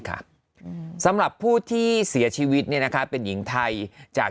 ค่ะสำหรับผู้ที่เสียชีวิตเนี่ยนะคะเป็นหญิงไทยจาก